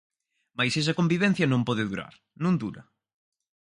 Mais esa convivencia non pode durar, non dura;